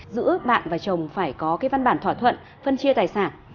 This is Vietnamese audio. giữa bạn và chồng phải có cái văn bản thỏa thuận phân chia tài sản